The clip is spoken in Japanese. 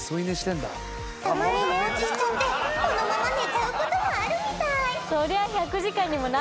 たまに寝落ちしちゃってこのまま寝ちゃう事もあるみたい。